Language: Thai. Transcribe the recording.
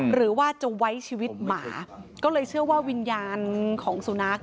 หรือว่าจะไว้ชีวิตหมาก็เลยเชื่อว่าวิญญาณของสุนัข